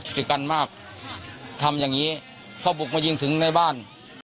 ติดกันมากทำอย่างนี้เขาบุกมายิงถึงในบ้าน